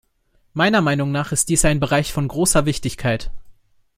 Meiner Meinung nach ist dies ein Bereich von großer Wichtigkeit.